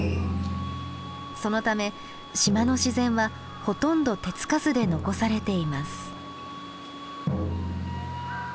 そのため島の自然はほとんど手付かずで残されています。